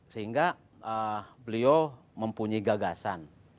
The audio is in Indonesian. sehingga beliau mempunyai gagasan